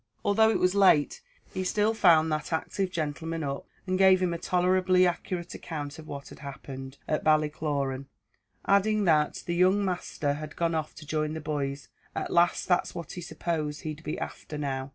Although it was late, he still found that active gentleman up, and gave him a tolerably accurate account of what had happened at Ballycloran, adding that "the young masther had gone off to join the boys, at laste that's what he supposed he'd be afther now."